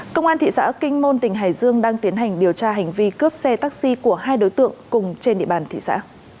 công an thị xã kinh môn tỉnh hải dương đang tiến hành điều tra hành vi cướp xe taxi của hai đối tượng cùng trên địa bàn thị xã